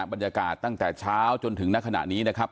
บรรยากาศตั้งแต่เช้าจนถึงณขณะนี้นะครับ